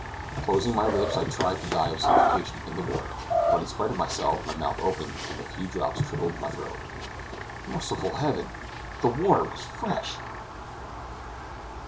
Closing my lips, I tried to die of suffocation in the water; but in spite of myself, my mouth opened, and a few drops trickled down my throat. Merciful Heaven! the water was fresh!